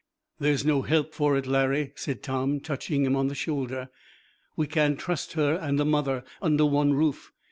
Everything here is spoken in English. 'There's no help for it, Larry,' said Tom, touching him on the shoulder. 'We can't trust her and the mother under one roof.